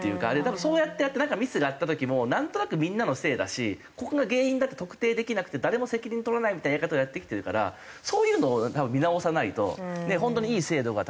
そうやってなんかミスがあった時もなんとなくみんなのせいだしここが原因だって特定できなくて誰も責任取らないみたいなやり方をやってきてるからそういうのを見直さないと本当にいい制度が多分。